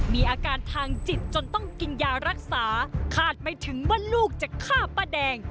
มีอาการทางจิตจนต้องกินยารักษาคาดไม่ถึงว่าลูกจะฆ่าป้าแดง